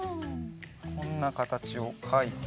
こんなかたちをかいて。